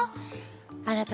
あなた